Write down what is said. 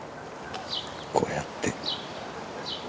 こうやって。